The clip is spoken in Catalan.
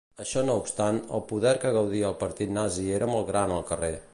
Això no obstant, el poder que gaudia el partit nazi era molt gran al carrer.